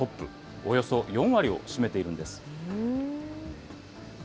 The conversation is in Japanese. およそ４割を占めているんです。